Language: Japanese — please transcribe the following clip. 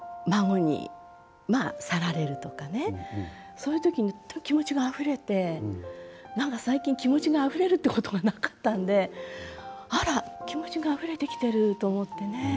そういう時に気持ちがあふれて何か最近気持ちがあふれるっていうことがなかったのであら気持ちがあふれてきてると思ってね